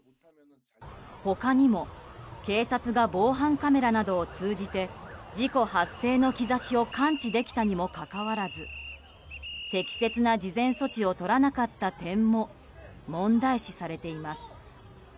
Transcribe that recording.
他にも、警察が防犯カメラなどを通じて事故発生の兆しを感知できたにもかかわらず適切な事前措置をとらなかった点も問題視されています。